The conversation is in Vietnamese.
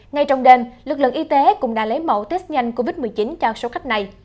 ngay trong đêm lực lượng y tế cũng đã lấy mẫu test nhanh covid một mươi chín cho số khách này